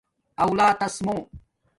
آلاتس مُو